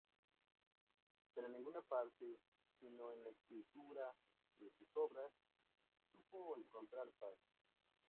Pero en ninguna parte, sino en la escritura de sus obras, supo encontrar paz.